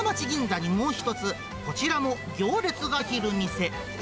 銀座にもう一つ、こちらも行列が出来る店。